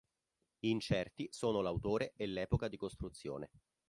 Incerti sono l'autore e l'epoca di costruzione.